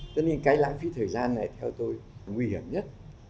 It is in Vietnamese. cho nên cái lãng phí thời gian này theo tôi nguy hiểm nhất